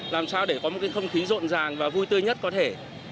làm sao để có một cái không khí rộn ràng và vui tươi nhất có thể